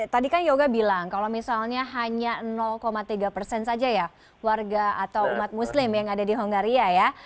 tadi kan yoga bilang kalau misalnya hanya tiga persen saja ya warga atau umat muslim yang ada di hongaria ya